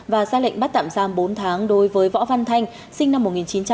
và ra lệnh bắt tạm giam bốn tháng đối với võ văn thanh sinh năm một nghìn chín trăm tám mươi